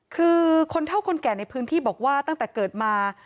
คือคนเท่าคนแก่ในพื้นที่บอกว่าตั้งแต่เกิดมา